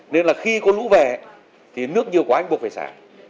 nên là khi có lũ về thì nước nhiều của anh buộc phải xả